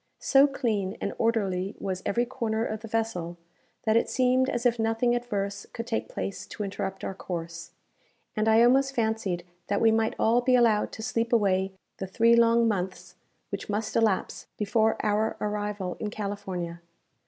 So clean and orderly was every corner of the vessel, that it seemed as if nothing adverse could take place to interrupt our course; and I almost fancied that we might all be allowed to sleep away the three long months which must elapse before our arrival in California.